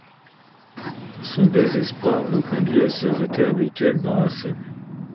Son désespoir le conduit à se jeter avec elle dans la Seine.